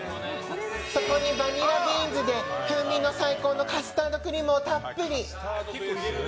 そこにバニラビーンズで風味が最高のカスタードクリームをたっぷり。